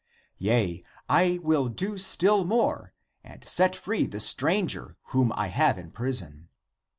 Yea, I will do still more and set free the stranger whom I have in prison.